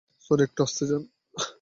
Sorry, - একটু আস্তে যান।